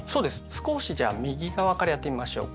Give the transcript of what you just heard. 少しじゃあ右側からやってみましょうか。